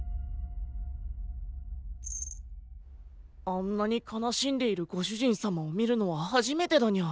あんなに悲しんでいるご主人様を見るのは初めてだニャ。